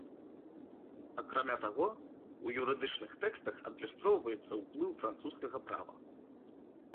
Акрамя таго, у юрыдычных тэкстах адлюстроўваецца ўплыў французскага права.